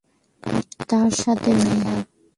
তার সাথে মেয়ে আছে।